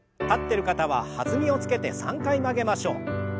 立ってる方は弾みをつけて３回曲げましょう。